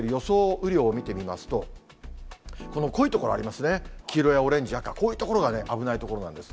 雨量見てみますと、この濃い所ありますね、黄色やオレンジ、赤、こういう所が危ない所なんです。